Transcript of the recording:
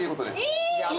え！